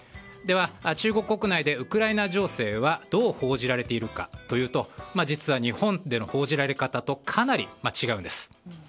では中国国内でウクライナ情勢はどう報じられているかというと実は、日本での報じられ方とかなり違うんです。